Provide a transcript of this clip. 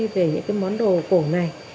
về những cái món đồ cổ này